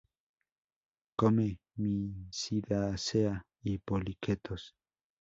Come"Mysidacea" y poliquetos.